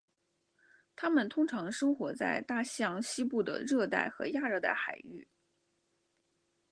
它们通常生活在大西洋西部的热带和亚热带海域。